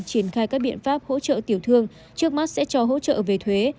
triển khai các biện pháp hỗ trợ tiểu thương trước mắt sẽ cho hỗ trợ về thuế